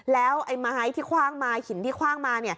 แล้วไอ้ไม้ที่คว่างมาหินที่คว่างมา